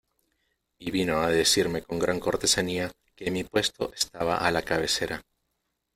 y vino a decirme con gran cortesanía que mi puesto estaba a la cabecera.